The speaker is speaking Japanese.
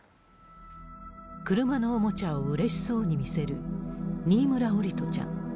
車のおもちゃをうれしそうに見せる新村桜利斗ちゃん。